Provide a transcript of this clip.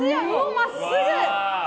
真っすぐ。